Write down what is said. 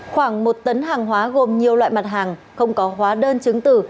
khoảng một tấn hàng hóa gồm nhiều loại mặt hàng không có hóa đơn chứng tử